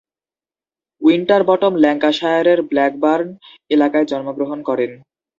Winterbottom ল্যাঙ্কাশায়ারের Blackburn এলাকায় জন্মগ্রহণ করেন।